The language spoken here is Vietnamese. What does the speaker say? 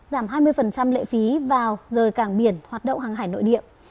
giảm hai mươi lệ phí vào rời cảng biển hoạt động hàng hải nội địa